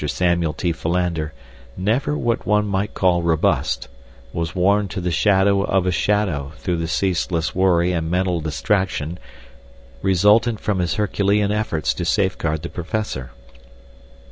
Samuel T. Philander, never what one might call robust, was worn to the shadow of a shadow through the ceaseless worry and mental distraction resultant from his Herculean efforts to safeguard the professor.